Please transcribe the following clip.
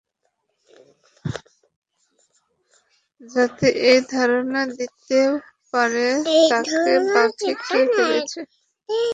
যাতে এই ধারণা দিতে পারে যে, তাকে বাঘে খেয়ে ফেলেছে।